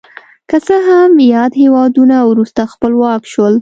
که څه هم یاد هېوادونه وروسته خپلواک شول.